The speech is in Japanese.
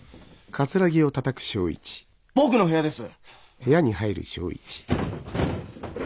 僕の部屋です。